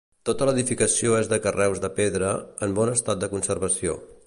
Tota l'edificació és de carreus de pedra, en bon estat de conservació.